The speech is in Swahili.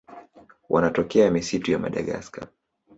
Wanatokea misitu ya Madagaska.